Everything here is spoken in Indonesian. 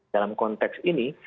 dalam konteks ini